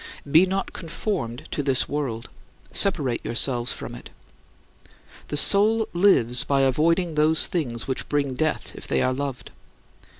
Be not conformed to this world; separate yourselves from it. The soul lives by avoiding those things which bring death if they are loved.